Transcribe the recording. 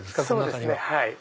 そうですね。